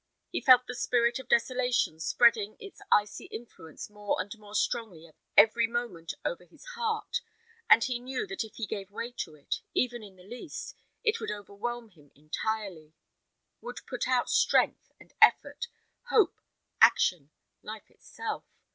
He felt the spirit of desolation spreading its icy influence more and more strongly every moment over his heart, and he knew that if he gave way to it, even in the least, it would overwhelm him entirely, would put out strength and effort, hope, action, life itself.